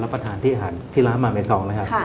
ประทานที่อาหารที่ร้านมาเมซองนะครับ